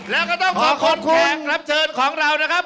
แล้วก็ต้องขอบคุณแขกรับเชิญของเรานะครับ